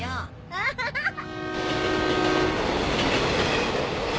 アハハハ。